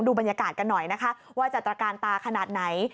ดูบรรยากาศกันหน่อยว่าจัดการตาขนาดไหน